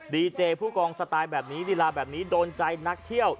ดีเจผู้กองสไตล์แบบนี้ลีลาแบบนี้โดนใจนักเที่ยว